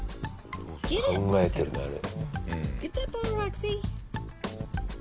考えてるねあれ。